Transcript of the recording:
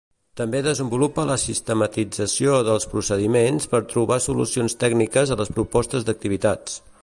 També desenvolupa la sistematització dels procediments per trobar solucions tècniques a les propostes d'activitats.